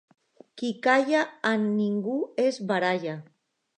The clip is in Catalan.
Qui calla, amb ningú es baralla.